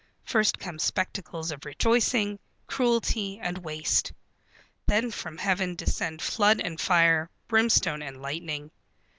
First come spectacles of rejoicing, cruelty, and waste. Then from Heaven descend flood and fire, brimstone and lightning.